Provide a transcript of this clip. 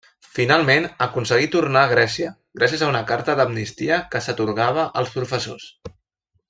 Finalment, aconseguí tornar a Grècia gràcies a una carta d'amnistia que s'atorgava als professors.